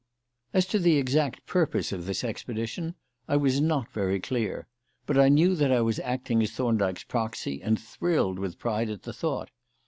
As to the exact purpose of this expedition, I was not very clear; but I knew that I was acting as Thorndyke's proxy and thrilled with pride at the thought.